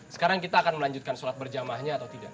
sekarang kita akan melanjutkan sholat berjamahnya atau tidak